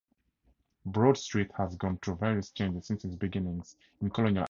Broad Street has gone through various changes since its beginnings in Colonial America.